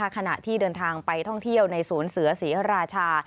ขณะที่เดินทางไปท่องเที่ยวในศูนย์เสือศรีราชา